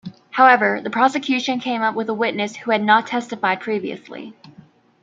However, the prosecution came up with a witness who had not testified previously.